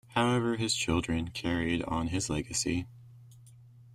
However his children carried on his legacy.